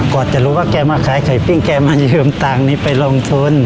กว่าจะรู้ว่าแกมาขายไข่ปิ้งแกมายืมตังค์นี้ไปลงทุน